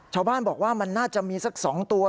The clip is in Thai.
ชาวบ้านบอกว่ามันน่าจะมีสัก๒ตัว